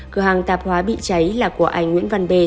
cửa hàng tạp hóa bị cháy là của anh nguyễn văn đề